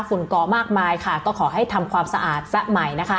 ฝุก่อมากมายค่ะก็ขอให้ทำความสะอาดซะใหม่นะคะ